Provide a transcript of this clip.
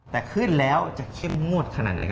แต่ขึ้นแล้วจะเข้มงวดขนาดไหน